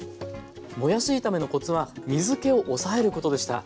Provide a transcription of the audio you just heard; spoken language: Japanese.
もやし炒めのコツは水けを抑えることでした。